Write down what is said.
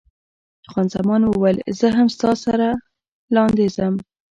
خان زمان وویل، زه هم ستا سره لاندې ځم.